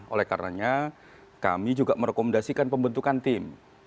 oleh karenanya kami juga merekomendasikan pembentukan tim